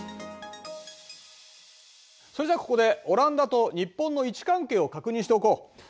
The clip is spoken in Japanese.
それじゃあここでオランダと日本の位置関係を確認しておこう。